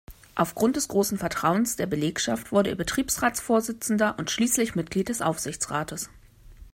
Aufgrund des großen Vertrauens der Belegschaft wurde er Betriebsratsvorsitzender und schließlich Mitglied des Aufsichtsrates.